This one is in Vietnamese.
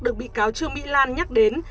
được bị cáo trương mỹ lan nhắc đến